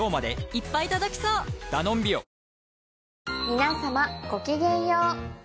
皆様ごきげんよう。